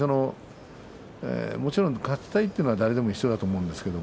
もちろん勝ちたいというのは誰でも一緒だと思うんですよ。